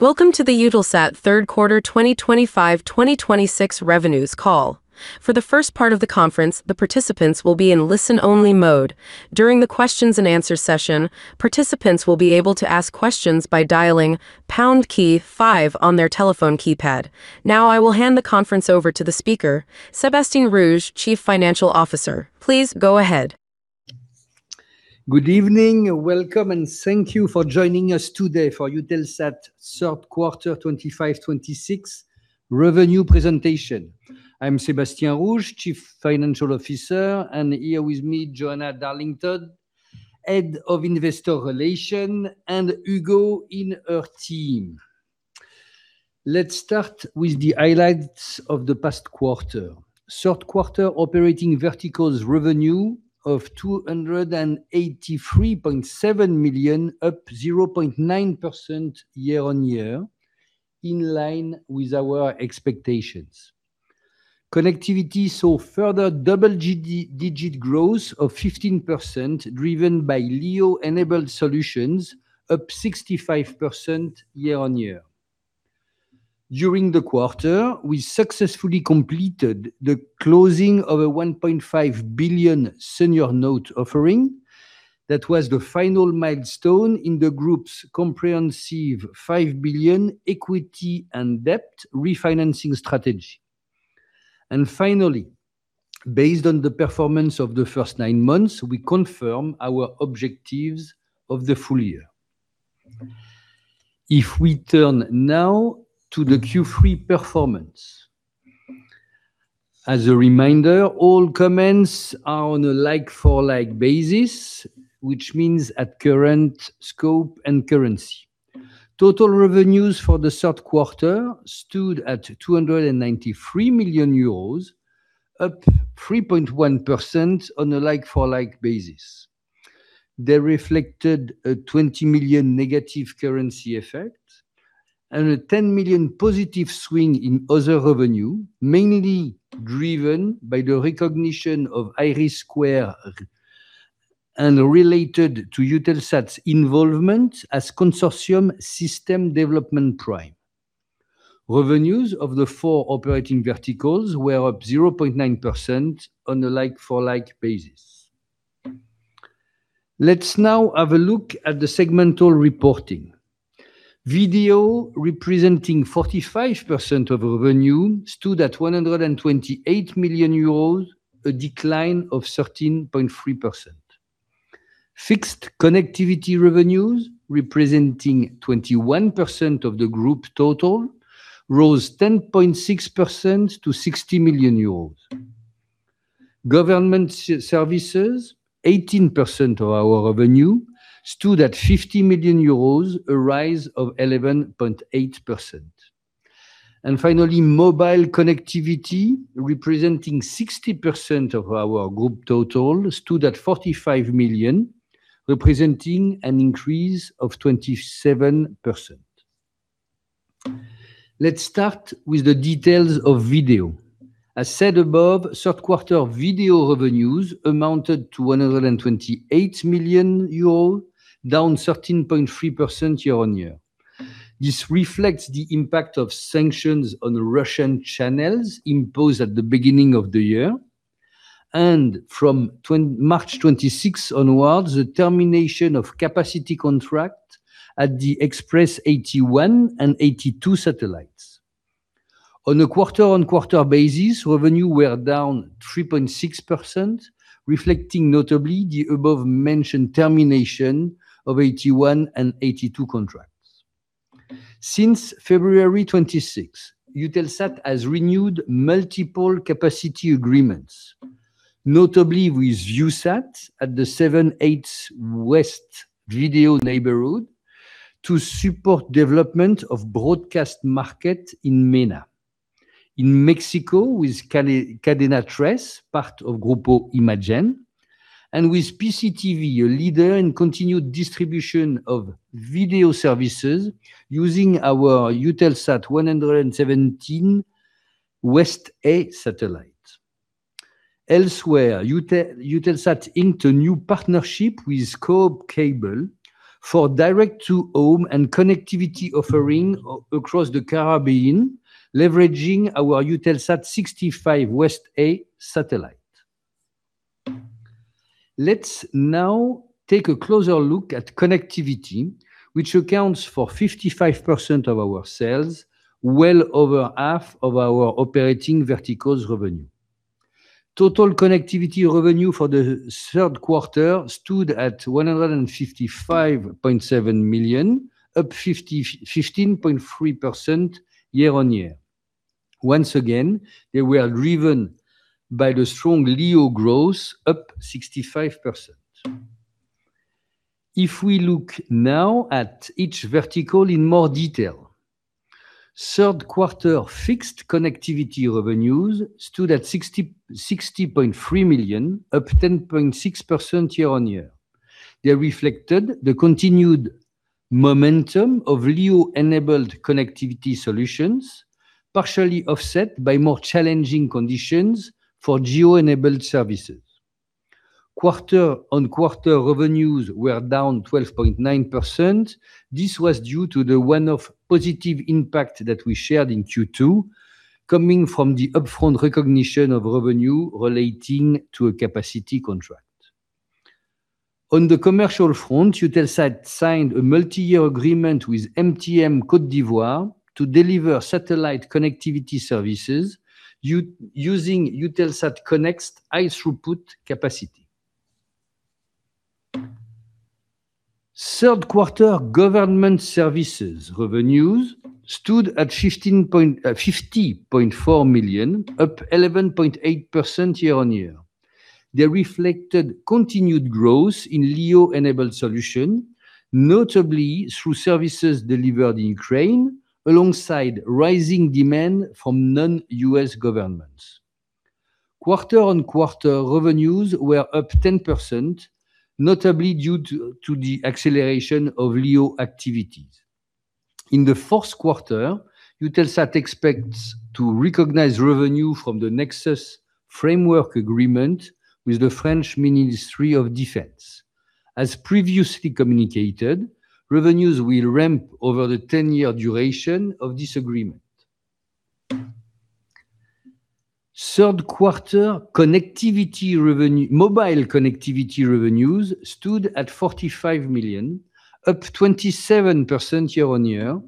Welcome to the Eutelsat Third Quarter 2025, 2026 Revenues Call. For the first part of the conference, the participants will be in listen-only mode. During the questions and answer session, participants will be able to ask questions by dialing pound key five on their telephone keypad. Now I will hand the conference over to the speaker, Sebastien Rouge, Chief Financial Officer. Please go ahead. Good evening. Welcome, and thank you for joining us today for Eutelsat 3rd quarter 2025, 2026 revenue presentation. I'm Sebastien Rouge, Chief Financial Officer, and here with me, Joanna Darlington, Head of Investor Relations, and Hugo in her team. Let's start with the highlights of the past quarter. 3rd quarter operating verticals revenue of 283.7 million, up 0.9% year-on-year, in line with our expectations. Connectivity saw further double-digit growth of 15% driven by LEO-enabled solutions, up 65% year-on-year. During the quarter, we successfully completed the closing of a 1.5 billion senior note offering. That was the final milestone in the group's comprehensive 5 billion equity and debt refinancing strategy. Finally, based on the performance of the first nine months, we confirm our objectives of the full year. If we turn now to the Q3 performance. As a reminder, all comments are on a like for like basis, which means at current scope and currency. Total revenues for the third quarter stood at 293 million euros, up 3.1% on a like for like basis. They reflected a 20 million negative currency effect and a 10 million positive swing in other revenue, mainly driven by the recognition of IRIS² and related to Eutelsat's involvement as consortium system development prime. Revenues of the four operating verticals were up 0.9% on a like for like basis. Let's now have a look at the segmental reporting. Video representing 45% of revenue stood at 128 million euros, a decline of 13.3%. Fixed connectivity revenues representing 21% of the group total rose 10.6% to 60 million euros. Government services, 18% of our revenue stood at 50 million euros, a rise of 11.8%. Finally, mobile connectivity representing 60% of our group total stood at 45 million, representing an increase of 27%. Let's start with the details of video. As said above, third quarter video revenues amounted to 128 million euros, down 13.3% year-on-year. This reflects the impact of sanctions on Russian channels imposed at the beginning of the year and from March 26th onwards, the termination of capacity contract at the Express-81 and Express-82 satellites. On a quarter-on-quarter basis, revenue were down 3.6%, reflecting notably the above-mentioned termination of 81 and 82 contracts. Since February 26, Eutelsat has renewed multiple capacity agreements, notably with Eutelsat at the 7/8 West video neighborhood to support development of broadcast market in MENA. In Mexico with Cadena Tres, part of Grupo Imagen, and with PCTV, a leader in continued distribution of video services using our EUTELSAT 117 West A satellite. Elsewhere, Eutelsat inked a new partnership with Co-op Cable for direct-to-home and connectivity offering across the Caribbean, leveraging our EUTELSAT 65 West A satellite. Let's now take a closer look at connectivity, which accounts for 55% of our sales, well over half of our operating verticals revenue. Total connectivity revenue for the third quarter stood at 155.7 million, up 15.3% year-over-year. Once again, they were driven by the strong LEO growth, up 65%. If we look now at each vertical in more detail. Third quarter fixed connectivity revenues stood at 60.3 million, up 10.6% year-on-year. They reflected the continued momentum of LEO-enabled connectivity solutions, partially offset by more challenging conditions for GEO-enabled services. Quarter-on-quarter revenues were down 12.9%. This was due to the one-off positive impact that we shared in Q2 coming from the upfront recognition of revenue relating to a capacity contract. On the commercial front, Eutelsat signed a multi-year agreement with MTN Côte d'Ivoire to deliver satellite connectivity services using EUTELSAT KONNECT high-throughput capacity. Third quarter government services revenues stood at 50.4 million, up 11.8% year-on-year. They reflected continued growth in LEO-enabled solution, notably through services delivered in Ukraine, alongside rising demand from non-U.S. governments. Quarter-on-quarter revenues were up 10%, notably due to the acceleration of LEO activities. In the fourth quarter, Eutelsat expects to recognize revenue from the NEXUS framework agreement with the French Ministry of Defence. As previously communicated, revenues will ramp over the 10-year duration of this agreement. Third quarter mobile connectivity revenues stood at 45 million, up 27% year-on-year,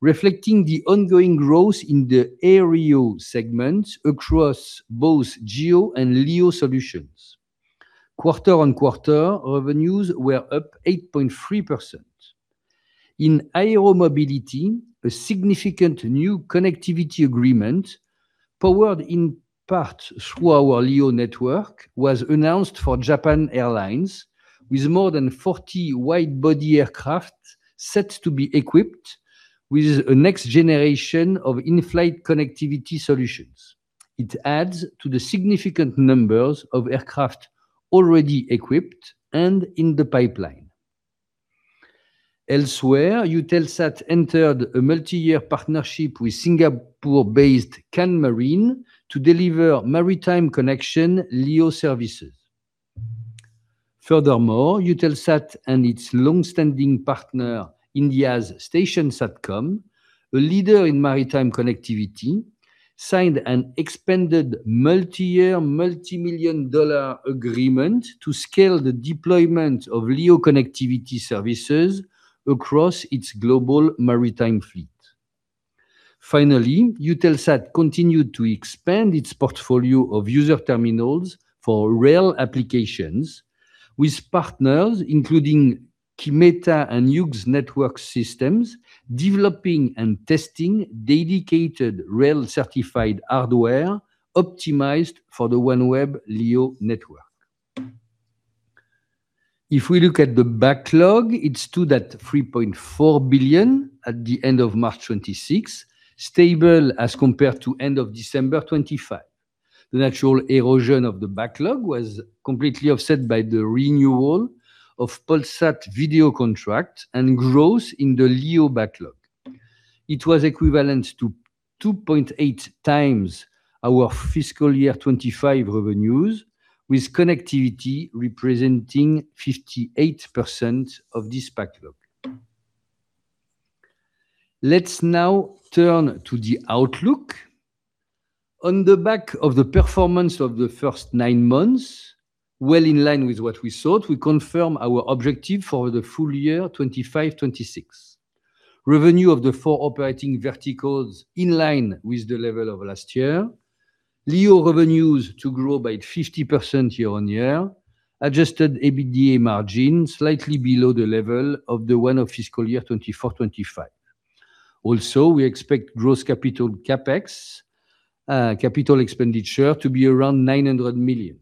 reflecting the ongoing growth in the aero segment across both GEO and LEO solutions. Quarter-on-quarter revenues were up 8.3%. In aero mobility, a significant new connectivity agreement, powered in part through our LEO network, was announced for Japan Airlines, with more than 40 wide-body aircraft set to be equipped with a next generation of in-flight connectivity solutions. It adds to the significant numbers of aircraft already equipped and in the pipeline. Elsewhere, Eutelsat entered a multi-year partnership with Singapore-based Can Marine to deliver maritime connectivity LEO services. Furthermore, Eutelsat and its long-standing partner, India's Station Satcom, a leader in maritime connectivity, signed an expanded multi-year, $ multi-million agreement to scale the deployment of LEO connectivity services across its global maritime fleet. Finally, Eutelsat continued to expand its portfolio of user terminals for rail applications with partners, including Kymeta and Hughes Network Systems, developing and testing dedicated rail-certified hardware optimized for the OneWeb LEO network. If we look at the backlog, it stood at 3.4 billion at the end of March 26, stable as compared to end of December 25. The natural erosion of the backlog was completely offset by the renewal of Polsat video contract and growth in the LEO backlog. It was equivalent to 2.8 times our fiscal year 2025 revenues, with connectivity representing 58% of this backlog. Let's now turn to the outlook. On the back of the performance of the first nine months, well in line with what we thought, we confirm our objective for the full year 2025/2026. Revenue of the four operating verticals in line with the level of last year. LEO revenues to grow by 50% year-on-year. Adjusted EBITDA margin slightly below the level of the one of fiscal year 2024/2025. We expect gross capital CapEx, capital expenditure to be around 900 million.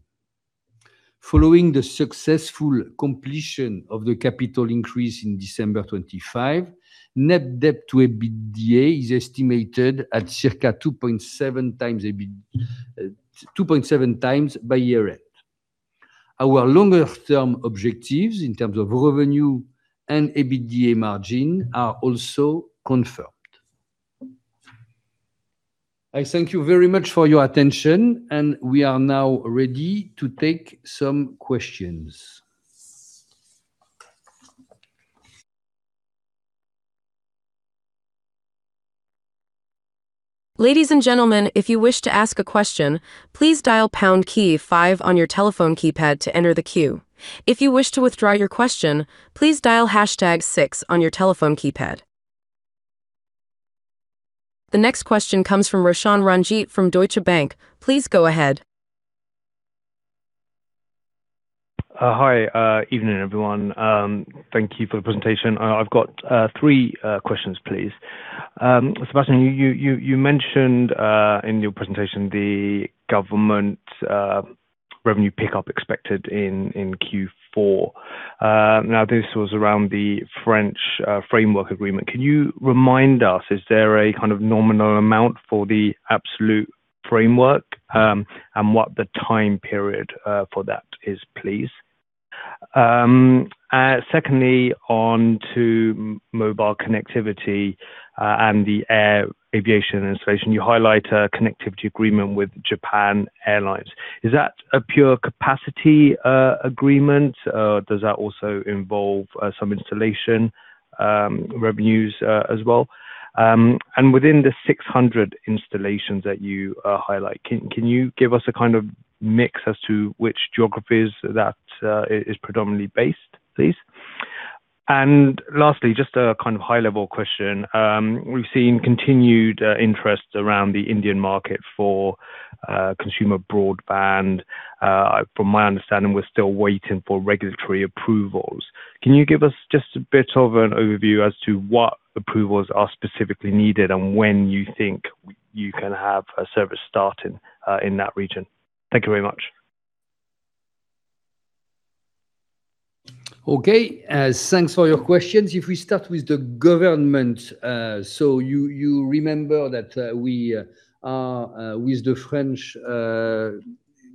Following the successful completion of the capital increase in December 2025, net debt to EBITDA is estimated at circa 2.7 times by year end. Our longer-term objectives in terms of revenue and EBITDA margin are also confirmed. I thank you very much for your attention, and we are now ready to take some questions. Ladies and gentlemen if you wish to ask a question please dial pound key five on your telephone keypad to enter the queue, if you wish to withdraw your question please dial hash tag six on your telephone keypad. The next question comes from Roshan Ranjit from Deutsche Bank. Please go ahead. Hi, evening, everyone. Thank you for the presentation. I've got three questions, please. Sebastien, you mentioned in your presentation the government revenue pickup expected in Q4. Now this was around the French framework agreement. Can you remind us, is there a kind of nominal amount for the absolute framework? And what the time period for that is, please? Secondly, on to mobile connectivity and the Aero aviation installation. You highlight a connectivity agreement with Japan Airlines. Is that a pure capacity agreement? Does that also involve some installation revenues as well? And within the 600 installations that you highlight, can you give us a kind of mix as to which geographies that is predominantly based, please? Lastly, just a kind of high level question. We've seen continued interest around the Indian market for consumer broadband. From my understanding, we're still waiting for regulatory approvals. Can you give us just a bit of an overview as to what approvals are specifically needed, and when you think you can have a service starting in that region? Thank you very much. Okay. Thanks for your questions. We start with the government. You remember that we are with the French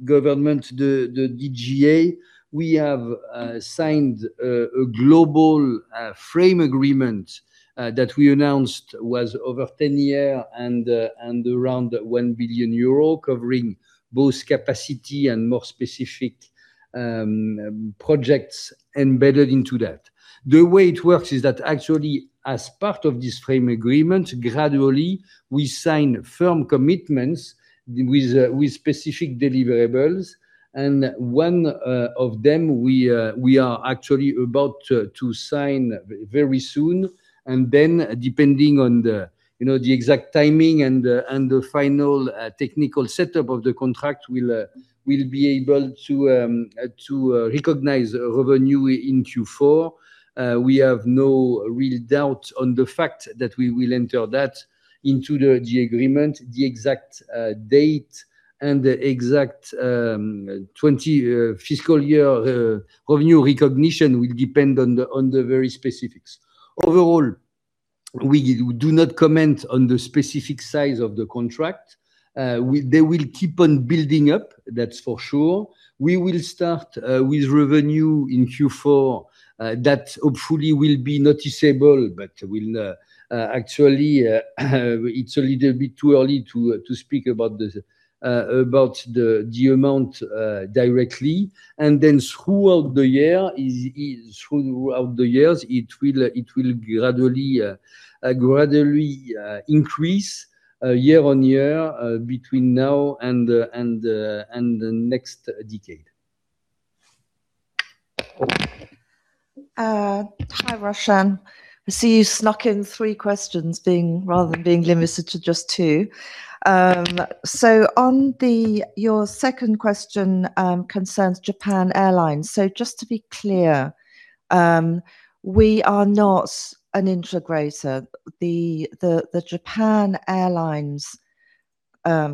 government, the DGA. We have signed a global frame agreement that we announced was over 10 years and around 1 billion euros, covering both capacity and more specific projects embedded into that. The way it works is that actually as part of this frame agreement, gradually we sign firm commitments with specific deliverables. One of them we are actually about to sign very soon. Depending on the, you know, the exact timing and the final technical setup of the contract, we'll be able to recognize revenue in Q4. We have no real doubt on the fact that we will enter that into the agreement. The exact date and the exact 20 fiscal year revenue recognition will depend on the very specifics. Overall, we do not comment on the specific size of the contract. They will keep on building up, that's for sure. We will start with revenue in Q4 that hopefully will be noticeable, but will actually it's a little bit too early to speak about the amount directly. Throughout the years, it will gradually increase year-on-year between now and the next decade. Hi Roshan. I see you snuck in three questions rather than being limited to just two. On your second question concerns Japan Airlines. Just to be clear, we are not an integrator. The Japan Airlines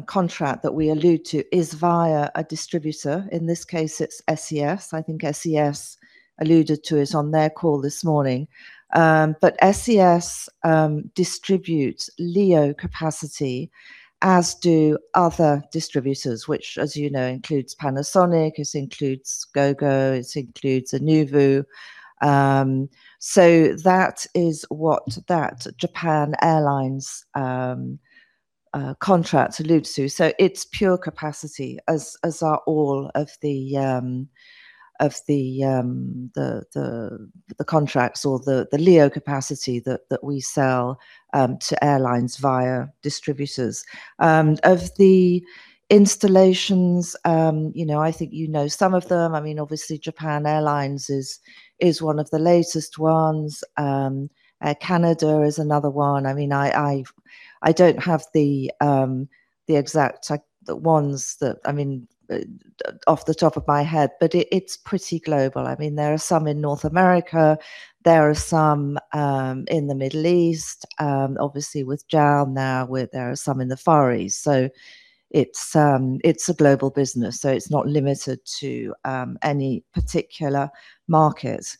contract that we allude to is via a distributor. In this case, it's SES. I think SES alluded to it on their call this morning. SES distributes LEO capacity, as do other distributors, which as you know includes Panasonic, it includes Gogo, it includes Anuvu. That is what that Japan Airlines contract alludes to. It's pure capacity as are all of the of the contracts or the LEO capacity that we sell to airlines via distributors. Of the installations, I think some of them. Obviously Japan Airlines is one of the latest ones. Can Marine is another one. I don't have the exact the ones that off the top of my head, but it's pretty global. There are some in North America, there are some in the Middle East, obviously with JAL now, where there are some in the Far East. It's a global business, so it's not limited to any particular market.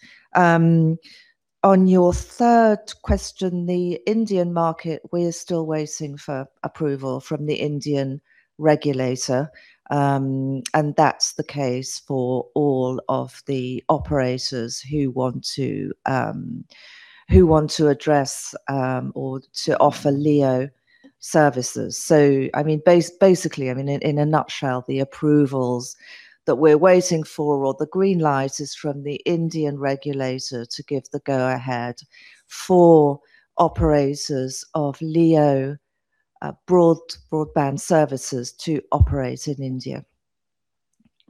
On your third question, the Indian market, we're still waiting for approval from the Indian regulator. That's the case for all of the operators who want to who want to address or to offer LEO services. I mean, basically, I mean, in a nutshell, the approvals that we're waiting for or the green light is from the Indian regulator to give the go-ahead for operators of LEO broadband services to operate in India.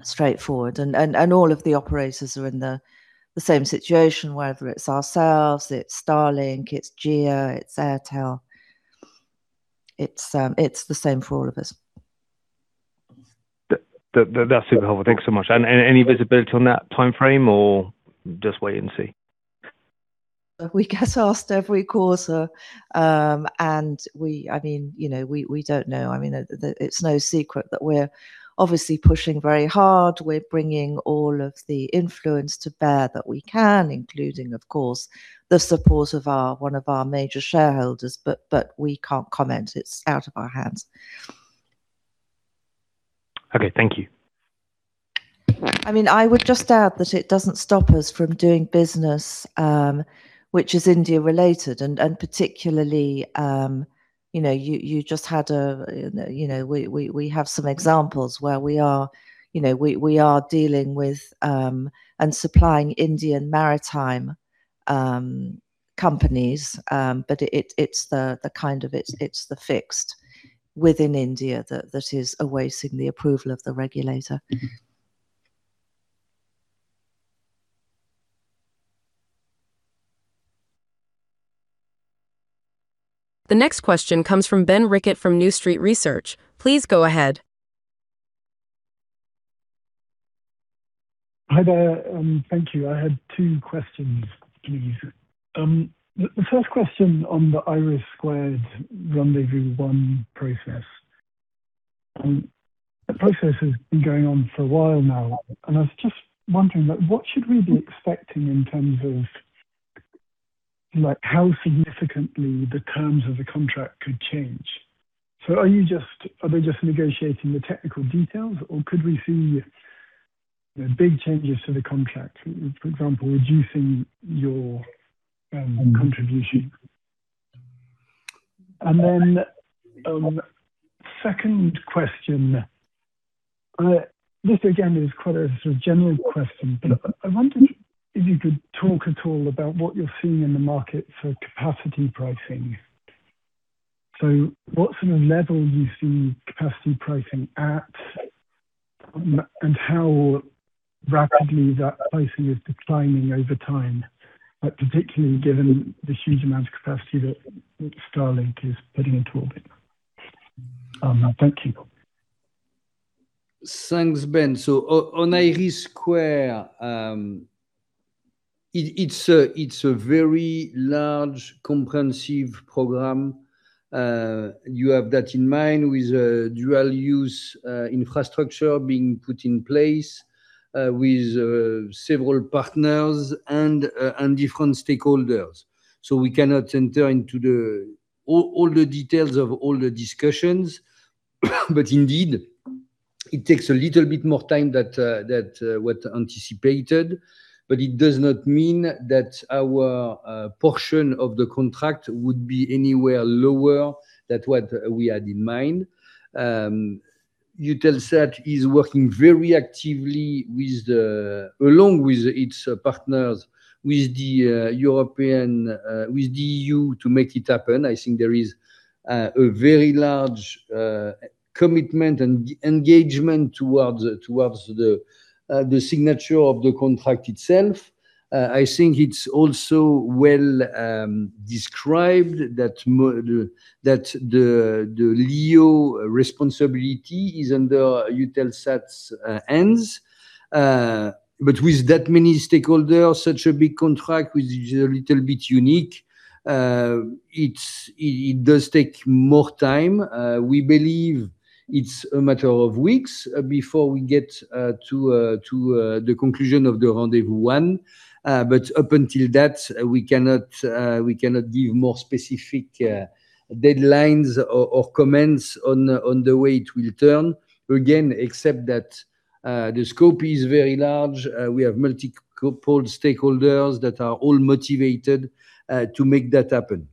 Straightforward. All of the operators are in the same situation, whether it's ourselves, it's Starlink, it's Jio, it's Airtel. It's the same for all of us. That's super helpful. Thanks so much. Any visibility on that timeframe or just wait and see? We get asked every quarter, and we, I mean, you know, we don't know. I mean, it's no secret that we're obviously pushing very hard. We're bringing all of the influence to bear that we can, including, of course, the support of our, one of our major shareholders, but we can't comment. It's out of our hands. Okay, thank you. I mean, I would just add that it doesn't stop us from doing business, which is India related. Particularly, you know, we have some examples where we are, you know, dealing with and supplying Indian maritime companies. It's the kind of fixed within India that is awaiting the approval of the regulator. The next question comes from Ben Rickett from New Street Research. Please go ahead. Hi there. Thank you. I had two questions, please. The first question on the IRIS² Rendezvous One process. The process has been going on for a while now, and I was just wondering, like, what should we be expecting in terms of, like, how significantly the terms of the contract could change? Are they just negotiating the technical details, or could we see, you know, big changes to the contract, for example, reducing your contribution? Second question. This again is quite a sort of general question. I wonder if you could talk at all about what you're seeing in the market for capacity pricing. What sort of level you see capacity pricing at, and how rapidly that pricing is declining over time? Particularly given the huge amount of capacity that Starlink is putting into orbit. Thank you. Thanks, Ben. On IRIS², it's a very large comprehensive program. You have that in mind with a dual use infrastructure being put in place with several partners and different stakeholders. We cannot enter into all the details of all the discussions. Indeed, it takes a little bit more time that what anticipated. It does not mean that our portion of the contract would be anywhere lower than what we had in mind. Eutelsat is working very actively along with its partners, with the European, with the EU to make it happen. I think there is a very large commitment and engagement towards the signature of the contract itself. I think it's also well described that the LEO responsibility is under Eutelsat's hands. With that many stakeholders, such a big contract which is a little bit unique, it does take more time. We believe it's a matter of weeks before we get to the conclusion of the Rendezvous One. Up until that, we cannot give more specific deadlines or comments on the way it will turn. Again, except that the scope is very large. We have multiple stakeholders that are all motivated to make that happen.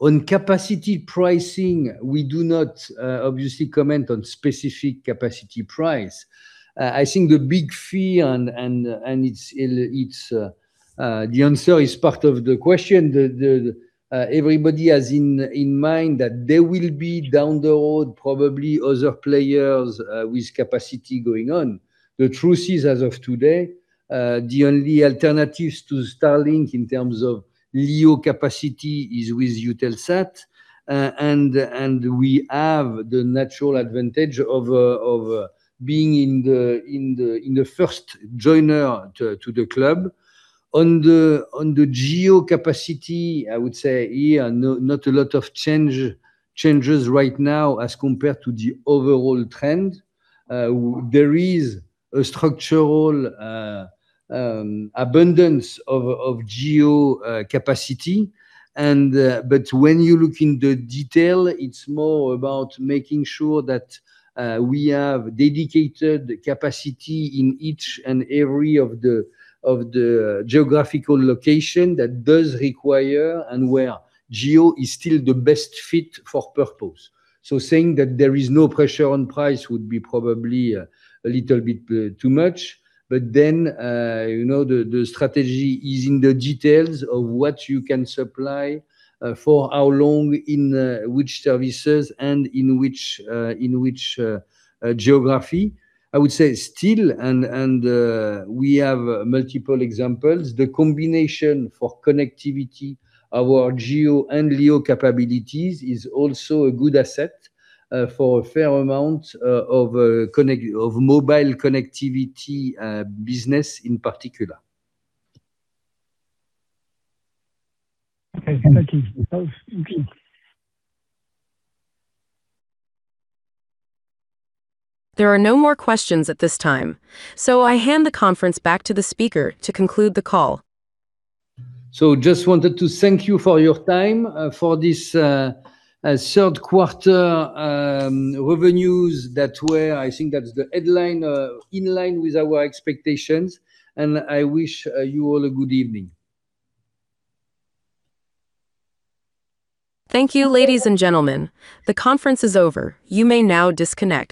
On capacity pricing, we do not obviously comment on specific capacity price. I think the big fee, and it's the answer is part of the question. Everybody has in mind that there will be down the road, probably other players with capacity going on. The truth is, as of today, the only alternatives to Starlink in terms of LEO capacity is with Eutelsat. We have the natural advantage of being in the first joiner to the club. On the GEO capacity, I would say here, not a lot of changes right now as compared to the overall trend. There is a structural abundance of GEO capacity and but when you look in the detail, it's more about making sure that we have dedicated capacity in each and every of the geographical location that does require and where GEO is still the best fit for purpose. Saying that there is no pressure on price would be probably a little bit too much. You know, the strategy is in the details of what you can supply for how long, in which services and in which in which geography. I would say still and, we have multiple examples. The combination for connectivity, our GEO and LEO capabilities is also a good asset for a fair amount of mobile connectivity business in particular. Okay. Thank you. That was Okay. There are no more questions at this time. I hand the conference back to the speaker to conclude the call. Just wanted to thank you for your time for this third quarter revenues that were, I think that's the headline, in line with our expectations, and I wish you all a good evening. Thank you, ladies and gentlemen. The conference is over. You may now disconnect.